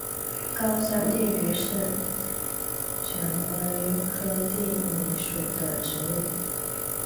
高山地榆是蔷薇科地榆属的植物。